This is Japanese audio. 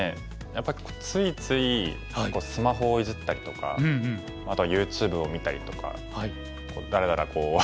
やっぱりついついスマホをいじったりとかあとはＹｏｕＴｕｂｅを見たりとかだらだらこう。